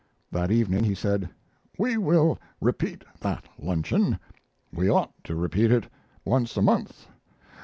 That evening he said: "We will repeat that luncheon; we ought to repeat it once a month.